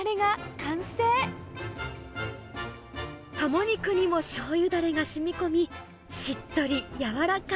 カモ肉にもしょうゆだれがしみこみ、しっとり柔らか。